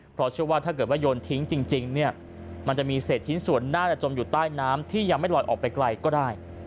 เพราะเชื่อว่าถ้าเกิดว่าโยนทิ้งจริงเนี่ยมันจะมีเศษชิ้นส่วนน่าจะจมอยู่ใต้น้ำที่ยังไม่ลอยออกไปไกลก็ได้